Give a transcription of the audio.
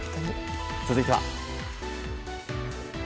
続いては。